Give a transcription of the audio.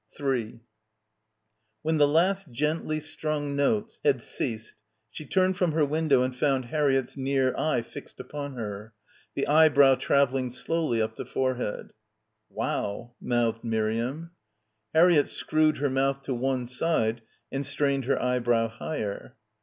3 When the last gently strung notes had ceased she turned from her window and found Harriett's near eye fixed upon her, the eyebrow travelling slowly up the forehead. 38 BACKWATER "Wow," mouthed Miriam. Harriett screwed her mouth to one side and strained her eyebrow higher.